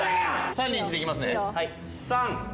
３２１でいきますねいいよ